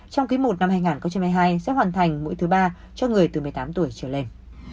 trong ký một năm hai nghìn một mươi hai sẽ hoàn thành mũi thứ ba cho người từ một mươi tám tuổi trở lên